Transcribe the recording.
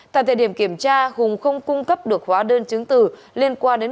tại thời điểm kiểm tra hùng không cung cấp được hóa đơn chứng từ liên quan đến